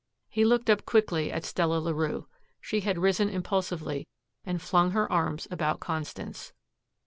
He looked up quickly at Stella Larue. She had risen impulsively and flung her arms about Constance.